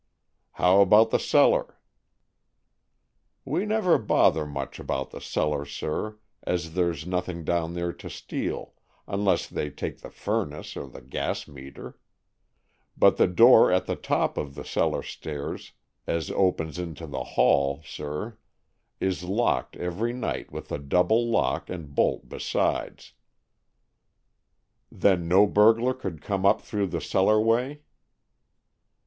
"How about the cellar?" "We never bother much about the cellar, sir, as there's nothing down there to steal, unless they take the furnace or the gas meter. But the door at the top of the cellar stairs, as opens into the hall, sir, is locked every night with a double lock and a bolt besides." "Then no burglar could come up through the cellar way?"